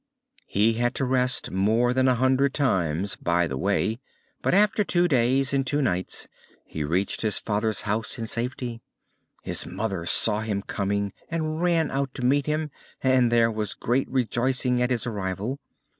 He had to rest more than a hundred times by the way, but, after two days and two nights, he reached his father's house in safety. His mother saw him coming, and ran out to meet him, and there was great rejoicing at his arrival.